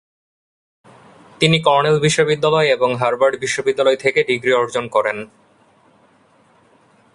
তিনি কর্নেল বিশ্ববিদ্যালয় এবং হার্ভার্ড বিশ্ববিদ্যালয় থেকে ডিগ্রী অর্জন করেন।